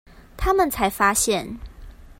他們才發現